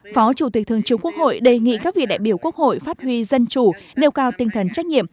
phó chủ tịch thường trưởng quốc hội đề nghị các vị đại biểu quốc hội phát huy dân chủ nêu cao tinh thần trách nhiệm